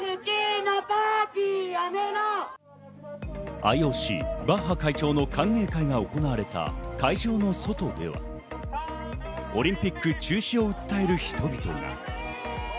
ＩＯＣ・バッハ会長の歓迎会が行われた会場の外ではオリンピック中止を訴える人々が。